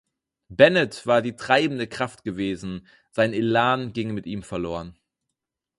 Bennett war die treibende Kraft gewesen, sein Elan ging mit ihm verloren.